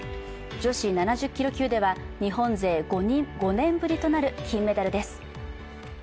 女子７０キロ級では日本勢５年ぶりとなる金メダルです。